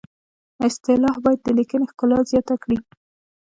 اصطلاح باید د لیکنې ښکلا زیاته کړي